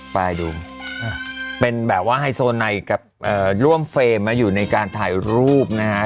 ไปดูเป็นแบบว่าไฮโซไนกับร่วมเฟรมอยู่ในการถ่ายรูปนะฮะ